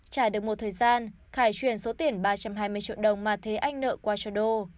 trả được một thời gian khải chuyển số tiền ba trăm hai mươi triệu đồng mà thế anh nợ qua cho đô